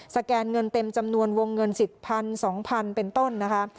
สแกนเงินเต็มจำนวนวงเงินสิบพันสองพันเป็นต้นนะคะ